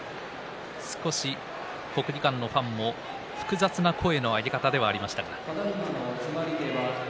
少し国技館のファンも複雑な声の上げ方ではありました。